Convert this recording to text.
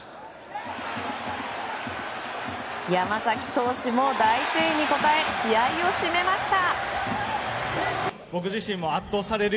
山崎投手も大声援に応え試合を閉めました。